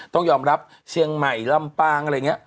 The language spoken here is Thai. ต้องยอมรับเชียงใหม่ลำปาง